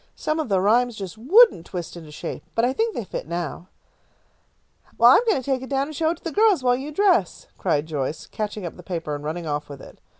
Some of the rhymes just wouldn't twist into shape, but I think they fit now." "I'm going to take it down and show it to the girls, while you dress," cried Joyce, catching up the paper and running off with it.